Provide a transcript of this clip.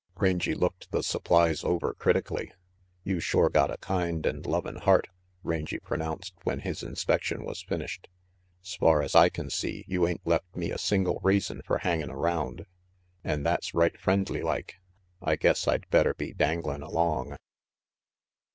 Rangy looked the supplies over critically. "You shore got a kind an' lovin' heart," Rangy pronounced when his inspection was finished. " S'far as I can see, you ain't left me a single reason fer hangin' around, an' that's real friendly like. I guess I'd better be danglin' along."